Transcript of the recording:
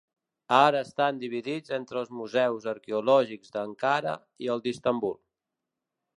Ara estan dividits entre els museus arqueològics d"Ankara i el d"Istanbul.